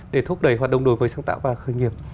để thúc đẩy hoạt động đối với sáng tạo và khởi nghiệp